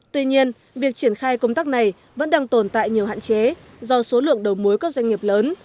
tuy nhiên việc triển khai công tác này vẫn đang tồn tại nhiều hạn chế do số lượng đầu mối các doanh nghiệp lớn